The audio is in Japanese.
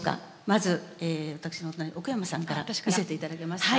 まず私のお隣奥山さんから見せて頂けますか？